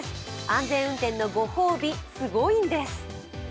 安全運転のご褒美、すごいんです。